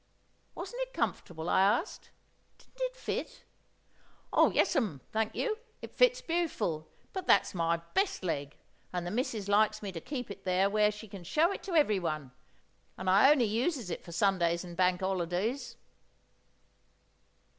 Wasn't it comfortable? I asked. Didn't it fit? "Oh, yes'm, thank you; it fits beautiful. But that's my best leg; and the missus likes me to keep it there where she can show it to everyone, and I only uses it for Sundays and Bank 'Ollerdis."